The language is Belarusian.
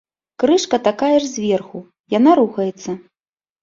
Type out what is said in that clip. Крышка такая ж зверху, яна рухаецца.